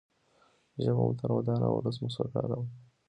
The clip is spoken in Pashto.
ژبه مو تل ودان او ولس مو سوکاله وي.